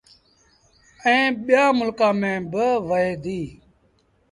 ائيٚݩ ٻيٚآݩ ملڪآݩ ميݩ با وهي ديٚ